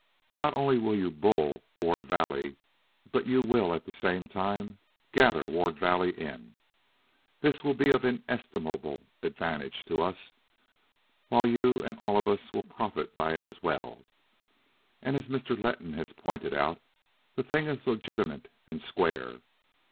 Not only will you bull Ward Valley, but you will at the same time gather Ward Valley in. This will be of inestimable advantage to us, while you and all of us will profit by it as well. And as Mr. Letton has pointed out, the thing is legitimate and square.